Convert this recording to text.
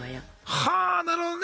はあなるほどね！